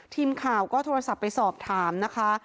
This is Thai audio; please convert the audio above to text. ทีมข่าวก็โทรศัพท์ไปสอบถามนะคะ